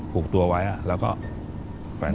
ผูกตัวไว้อ่ะแล้วก็แขวนคอ